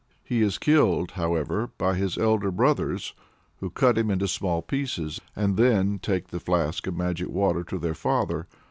He is killed, however, by his elder brothers, who "cut him into small pieces," and then take the flask of magic water to their father.